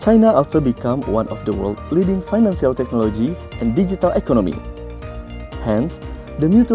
china juga menjadi salah satu teknologi finansial dan ekonomi digital yang terutama di dunia